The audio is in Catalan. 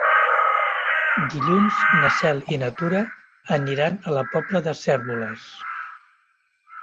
Dilluns na Cel i na Tura aniran a la Pobla de Cérvoles.